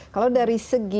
kalau dari segi